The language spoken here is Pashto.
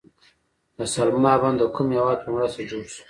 د سلما بند د کوم هیواد په مرسته جوړ شو؟